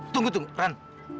tunggu tunggu ran